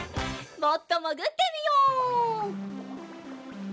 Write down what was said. もっともぐってみよう。